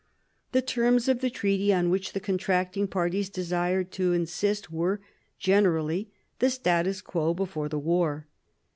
The terms of the treaty on which the contracting parties desired to insist were, generally, the status quo before the war.